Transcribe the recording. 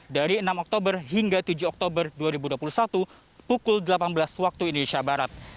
dari enam oktober hingga tujuh oktober dua ribu dua puluh satu pukul delapan belas waktu indonesia barat